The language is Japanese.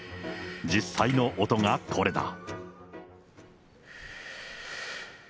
実際の音がこれだ。